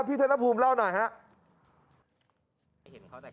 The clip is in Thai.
พี่ธนภูมิเล่าหน่อยฮะ